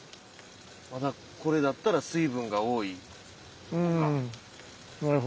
まだこれだったら水分が多いとか。